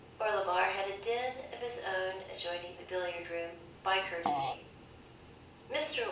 Mr. Orlebar had a don of his own adjoining the billiard room — ^by courtesy, "^[r.